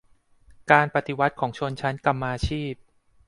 การปฏิวัติของชนชั้นกรรมาชีพ